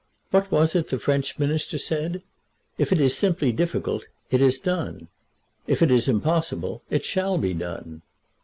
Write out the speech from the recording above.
"What was it the French Minister said. If it is simply difficult it is done. If it is impossible, it shall be done."